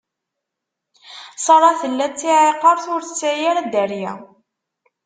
Ṣara tella d tiɛiqert, ur tesɛi ara dderya.